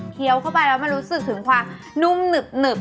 เคี้ยวเข้าไปแล้วมารู้สึกถึงความนุ่มหนึบ